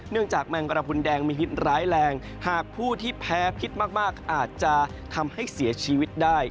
จากแมงกระพุนแดงมีพิษร้ายแรงหากผู้ที่แพ้พิษมากอาจจะทำให้เสียชีวิตได้